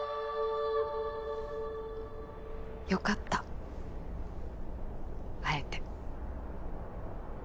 良かった会えて。